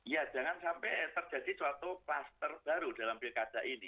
ya jangan sampai terjadi suatu klaster baru dalam pilkada ini